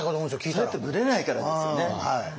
それってブレないからですよね。